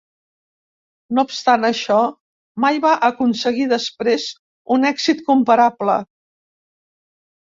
No obstant això, mai va aconseguir després un èxit comparable.